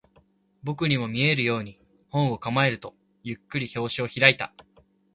僕にも見えるように、本を構えると、ゆっくり表紙を開いた